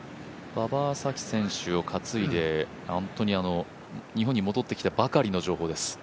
馬場咲希選手を担いで日本に戻ってきたばかりの情報です。